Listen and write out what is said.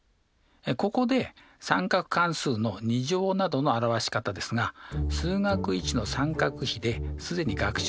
ここで三角関数の２乗などの表し方ですが数学Ⅰの三角比で既に学習しているので大丈夫だと思います。